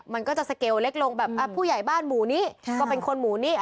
มันก็จะสเกลเล็กลงแบบผู้ใหญ่บ้านหมู่นี้ก็เป็นคนหมู่นี้